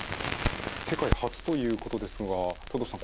世界初ということですが藤堂さん